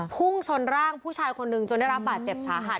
พุ่งชนร่างผู้ชายคนหนึ่งจนได้รับบาดเจ็บสาหัส